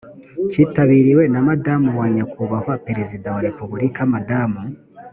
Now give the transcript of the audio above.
kitabiriwe na madamu wa nyakubahwa perezida wa repubulika madamu